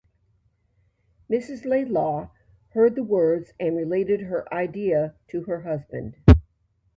Mrs Laidlaw heard the words and related her idea to her husband.